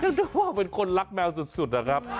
นึกว่าเป็นคนรักแมวสุดนะครับ